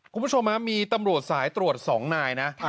คุณผู้ชมมีตำรวจสายตรวจ๒นายนะ